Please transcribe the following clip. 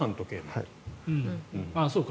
あっ、そうか。